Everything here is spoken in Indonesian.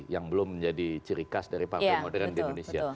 yang belum menjadi ciri khas dari partai modern di indonesia